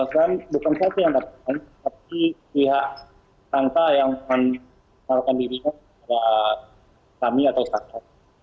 kan bukan saya yang dapatkan tapi pihak sangka yang melakukan dirinya ada kami atau sangka